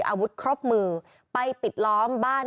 อาวุธครบมือไปปิดล้อมบ้าน